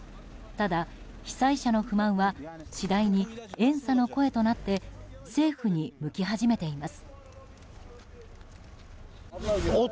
ただ、被災者の不満は次第に怨嗟の声となって政府に向き始めています。